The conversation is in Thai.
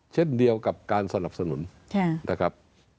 เช่นเดียวกับการสนับสนุนนะครับ